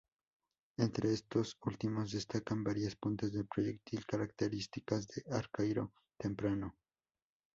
Entre estos últimos destacan varias puntas de proyectil características del Arcaico Temprano.